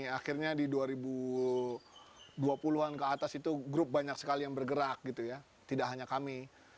akhirnya di dua ribu dua puluh an ke atas itu grup banyak sekali yang bergerak gitu ya tidak hanya kami